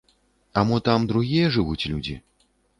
А мо там другія жывуць людзі?